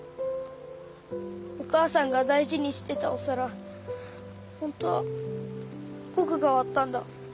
お母さんが大事にしてたお皿本当は僕が割ったんだ。